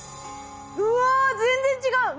うわ全然違う！